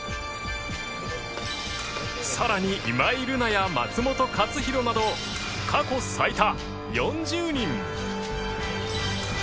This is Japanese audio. さらに今井月や松元克央など過去最多４０人！